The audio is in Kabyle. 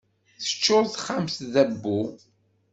Teččur texxamt d abbu.